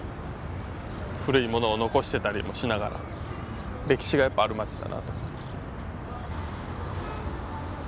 古いものを残してたりもしながら歴史がやっぱある街だなと。